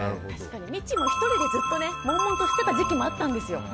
みちも１人でずっと悶々としてた時期もあったんですよ。